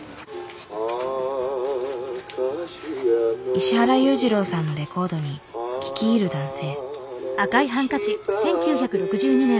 石原裕次郎さんのレコードに聞き入る男性。